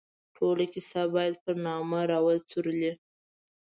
ټوله کیسه باید پر نامه را وڅورلي.